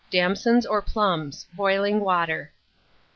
Damsons or plums; boiling water.